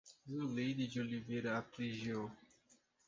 Zuleide de Oliveira Aprigio